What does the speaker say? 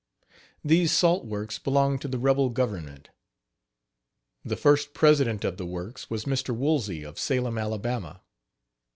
These salt works belonged to the rebel government. The first president of the works was Mr. Woolsey, of Salem, Alabama.